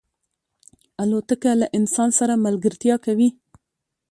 الوتکه له انسان سره ملګرتیا کوي.